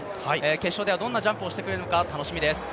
決勝ではどんなジャンプをしてくれるのか楽しみですね。